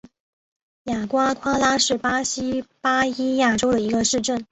雅瓜夸拉是巴西巴伊亚州的一个市镇。